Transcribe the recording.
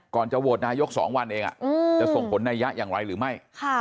ก่อนจะโหวตนายก๒วันเองจะส่งผลในยะอย่างไรหรือไม่